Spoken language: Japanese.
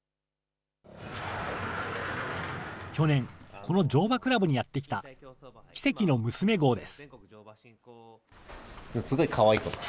去年、この乗馬クラブにやって来たキセキノムスメ号です。